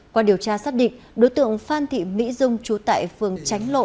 qua điều tra xác định đối tượng phan thị mỹ dung trú tại phường tránh lộ